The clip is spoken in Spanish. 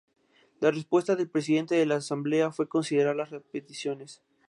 La respuesta del presidente de la Asamblea fue considerar las peticiones.